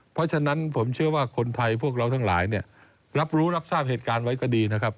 เพราะฉะนั้นผมเชื่อว่าคนไทยพวกเราทั้งหลายเนี่ยรับรู้รับทราบเหตุการณ์ไว้ก็ดีนะครับ